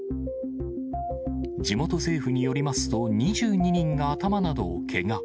地元政府によりますと、２２人が頭などをけが。